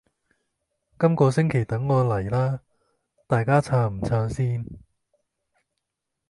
今個星期等我黎啦！大家撐唔撐先？